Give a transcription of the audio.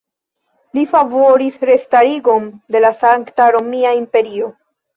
Li favoris restarigon de la Sankta Romia Imperio.